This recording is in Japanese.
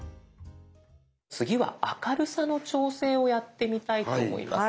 次は明るさの調整をやってみたいと思います。